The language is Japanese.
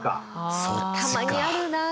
たまにあるなあ